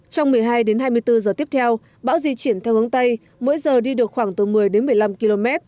trong một mươi hai đến hai mươi bốn giờ tiếp theo bão di chuyển theo hướng tây mỗi giờ đi được khoảng từ một mươi đến một mươi năm km